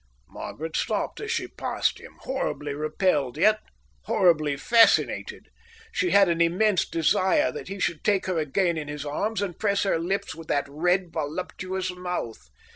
Margaret stopped as she passed him, horribly repelled yet horribly fascinated. She had an immense desire that he should take her again in his arms and press her lips with that red voluptuous mouth.